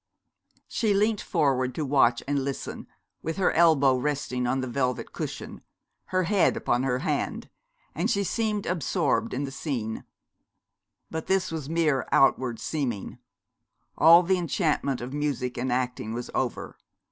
She leant forward to watch and listen, with her elbow resting on the velvet cushion her head upon her hand, and she seemed absorbed in the scene. But this was mere outward seeming. All the enchantment of music and acting was over.